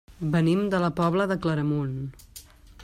Venim de la Pobla de Claramunt.